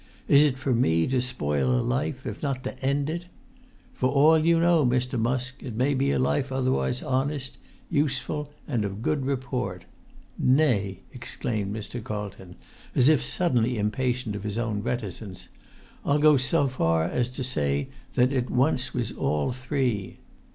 Is it for me to spoil a life, if not to end it? For all you know, Mr. Musk, it may be a life otherwise honest, useful, and of good report. Nay!" exclaimed Mr. Carlton, as if suddenly impatient of his own reticence, "I'll go so far as to say that it once was all three.